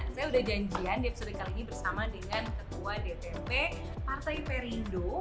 saya udah janjian di episode kali ini bersama dengan ketua dpp partai perindo